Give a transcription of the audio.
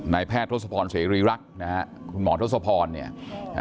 แพทย์ทศพรเสรีรักษ์นะฮะคุณหมอทศพรเนี่ยอ่า